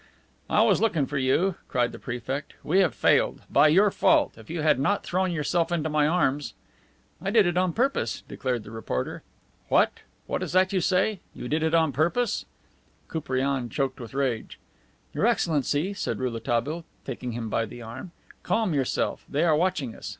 "I was looking for you," cried the Prefect. "We have failed. By your fault! If you had not thrown yourself into my arms " "I did it on purpose," declared the reporter. "What! What is that you say? You did it on purpose?" Koupriane choked with rage. "Your Excellency," said Rouletabille, taking him by the arm, "calm yourself. They are watching us.